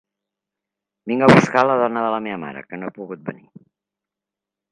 Vinc a buscar la dona de la meva mare, que no ha pogut venir.